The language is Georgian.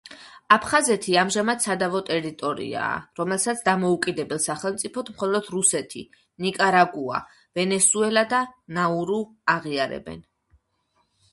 აფხაზეთი ამჟამად სადავო ტერიტორიაა, რომელსაც დამოუკიდებელ სახელმწიფოდ მხოლოდ რუსეთი, ნიკარაგუა, ვენესუელა და ნაურუ აღიარებენ.